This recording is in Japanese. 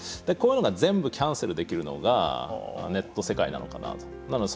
こういうのが全部キャンセルできるのがネット世界なのかなと。